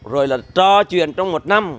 rồi là trò chuyện trong một năm